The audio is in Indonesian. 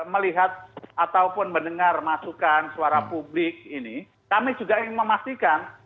melihat ataupun mendengar masukan suara publik ini kami juga ingin memastikan